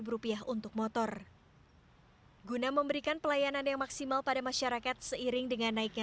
rupiah untuk motor guna memberikan pelayanan yang maksimal pada masyarakat seiring dengan naiknya